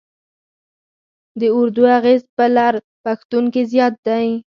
د اردو اغېز په لر پښتون کې زیات دی.